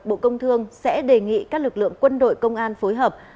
bộ công thương sẽ đề nghị các lực lượng quân đội công an phối hợp